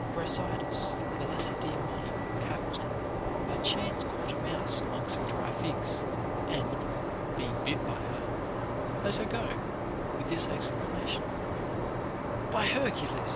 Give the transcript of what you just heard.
Brasidas, the Lacedaemonian captain, by chance caught a mouse among some dry figs ; and, being bit by her, let her go, with this exclamation, By Hercules